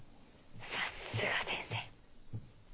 さすが先生。